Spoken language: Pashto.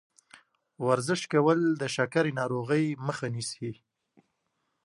ورزش کول د شکرې ناروغۍ مخه نیسي.